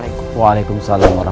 hidup raden walang susah